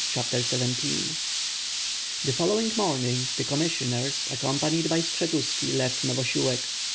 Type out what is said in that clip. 38 CHAPTER XVIL The following morning the commissioners, accompanied by Skshetuski, left Novosiolek.